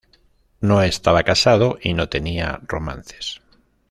No estaba casado y no tenía romances.